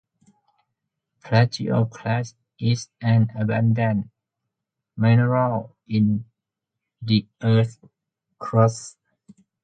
Plagioclase is an abundant mineral in the Earth's crust.